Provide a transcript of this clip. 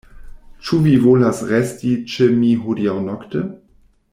Ĉu vi volas resti ĉe mi hodiaŭ nokte?